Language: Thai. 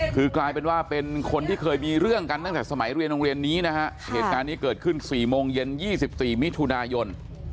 คือกลายเป็นว่าเป็นคนที่เคยมีเรื่องกันตั้งแต่สมัยเรียนโรงเรียนนี้นะฮะเหตุการณ์นี้เกิดขึ้น๔โมงเย็น๒๔มิถุนายน